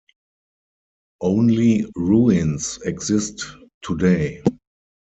Only ruins exist today.